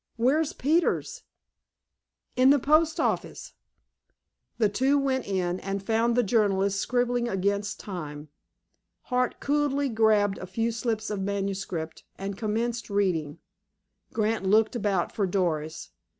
Where's Peters?" "In the post office." The two went in, and found the journalist scribbling against time. Hart coolly grabbed a few slips of manuscript, and commenced reading. Grant looked about for Doris.